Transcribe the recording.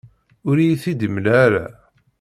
Ur iyi-t-id-yemla ara.